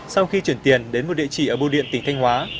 sau khi chuyển tiền đến một địa chỉ ở bưu điện tỉnh thanh hóa